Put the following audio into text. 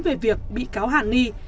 về việc bị cáo hàn ni